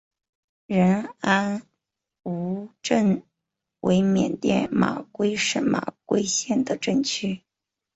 仁安羌镇为缅甸马圭省马圭县的镇区。